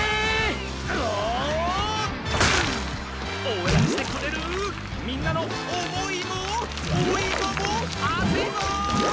おうえんしてくれるみんなのおもいもおいももあついぞ！